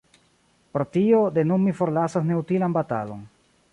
Pro tio, de nun mi forlasas neutilan batalon.